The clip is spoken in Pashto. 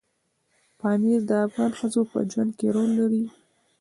پامیر د افغان ښځو په ژوند کې رول لري.